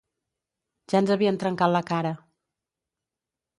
Ja ens havien trencat la cara.